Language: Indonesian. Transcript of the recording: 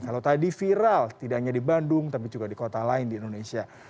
kalau tadi viral tidak hanya di bandung tapi juga di kota lain di indonesia